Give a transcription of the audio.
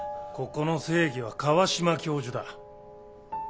ここの正義は川島教授だ。